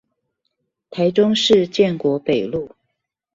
台中建國北路